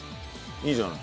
いいじゃない。